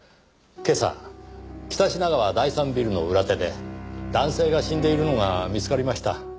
今朝北品川第三ビルの裏手で男性が死んでいるのが見つかりました。